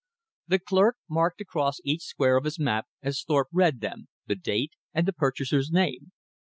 The clerk marked across each square of his map as Thorpe read them, the date and the purchaser's name.